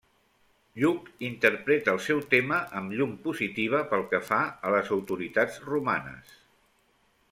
Lluc interpreta el seu tema amb llum positiva pel que fa a les autoritats romanes.